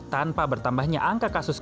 tanpa bertambahnya angka kasusnya